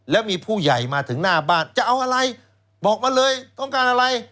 แล้วมีผู้ใหญ่มาถึงหน้าบ้านจะเอาอะไรบอกมาเลยต้องการอะไร